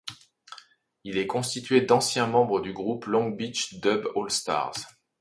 Il est constitué d'anciens membres du groupe Long Beach Dub Allstars.